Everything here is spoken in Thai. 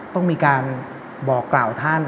ต้องมีการบอกกล่าวท่าน